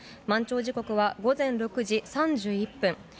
満潮時刻は午前６時３１分。